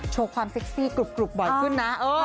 โชว์ความเซ็กซี่กรุบบ่อยขึ้นนะ